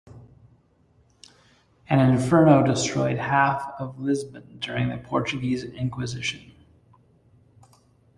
An inferno destroyed half of Lisbon during the Portuguese inquisition.